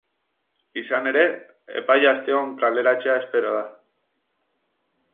Izan ere, epaia asteon kaleratzea espero da.